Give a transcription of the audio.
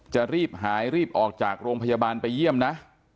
จะรีบหายรีบออกจากโรงพยาบาลไปเยี่ยมนะ